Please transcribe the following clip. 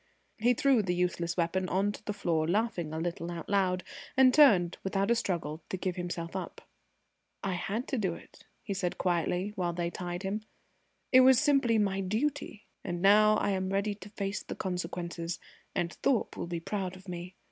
He threw the useless weapon on to the floor, laughing a little out loud, and turned, without a struggle, to give himself up. "I had to do it," he said quietly, while they tied him. "It was simply my duty! And now I am ready to face the consequences, and Thorpe will be proud of me.